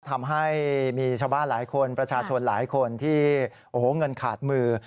ทำให้มีชาวบ้านหลายคนประชาชนหลายคนที่โอ้โหเงินขาดมือ